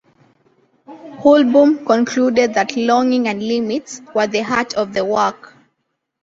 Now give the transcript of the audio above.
Hoolboom concluded that "longing and limits" were the heart of the work.